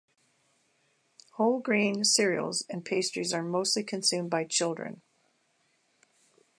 Whole grain cereals and pastries are mostly consumed by children.